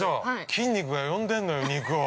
筋肉が呼んでんのよ、肉を。